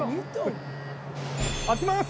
開けます！